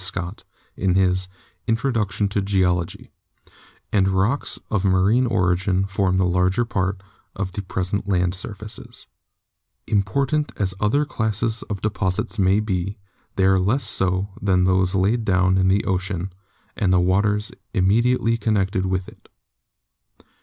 B. Scott in his 'Introduction to Geology/ "and rocks of marine origin form the larger part of the RECONSTRUCTIVE PROCESSES 155 present land surfaces. Important as other classes of de posits may be, they are less so than those laid down in the ocean and the waters immediately connected with it.